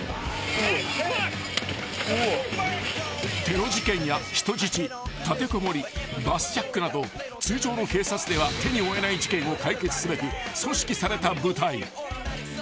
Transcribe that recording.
［テロ事件や人質立てこもりバスジャックなど通常の警察では手に負えない事件を解決すべく組織された部隊］